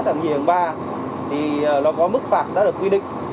tầm nhìn ba thì nó có mức phạt đã được quy định